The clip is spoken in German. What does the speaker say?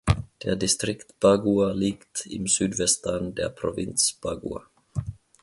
Der Distrikt Bagua liegt im Südwesten der Provinz Bagua.